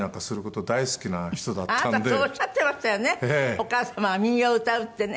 お母様が民謡を歌うってね。